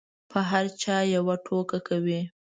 په هر چا یوه ټوکه کوي.